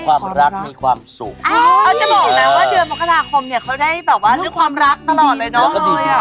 ความรักมีความสุข